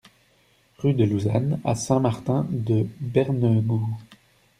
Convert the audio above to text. Rue de l'Ousane à Saint-Martin-de-Bernegoue